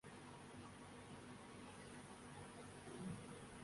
یہاں پر سیاح ہائیکنگ جنگلی جانوروں کے شکار جیسے دلچسپ مشاغل سے لطف اندوز ہو تے ہیں ۔